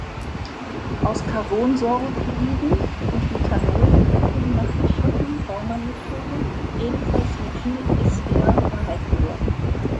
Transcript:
Aus Carbonsäurechloriden und Methanol können nach der Schotten-Baumann-Methode ebenfalls Methylester erhalten werden.